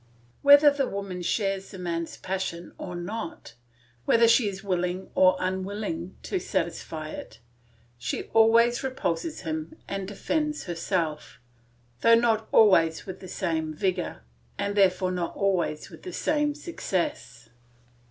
Whether the woman shares the man's passion or not, whether she is willing or unwilling to satisfy it, she always repulses him and defends herself, though not always with the same vigour, and therefore not always with the same success.